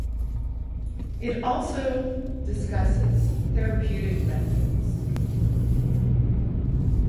It also discusses therapeutic methods.